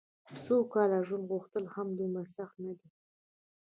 سوکاله ژوند غوښتل هم دومره سخت نه دي.